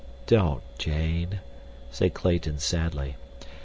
"Don't, Jane," said Clayton sadly.